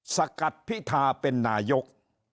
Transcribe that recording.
สะกัดพิธราประชุมเป็นนาโยค